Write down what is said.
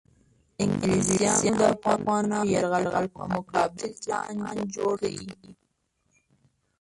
انګلیسیانو د افغانانو یرغل په مقابل کې پلان جوړ کړ.